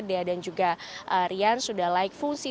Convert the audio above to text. dea dan juga rian sudah like fungsi